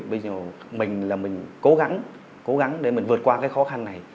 bây giờ mình là mình cố gắng cố gắng để mình vượt qua cái khó khăn này